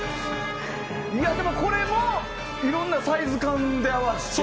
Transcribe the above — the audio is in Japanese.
これもいろんなサイズ感で合わせて！